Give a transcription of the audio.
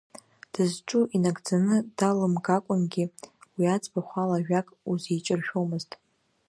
Дызҿу инагӡаны далымгакәангьы уи аӡбахә ала ажәак узиҿыршәомызт.